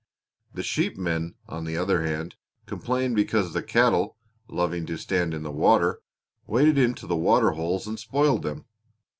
The sheepmen, on the other hand, complained because the cattle loving to stand in the water waded into the water holes and spoiled them.